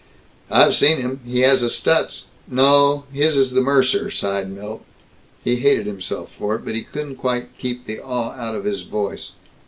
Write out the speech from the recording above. "I've seen him. He has a Stutz no, his is the Mercer," sighed Milt. He hated himself for it, but he couldn't quite keep the awe out of his voice.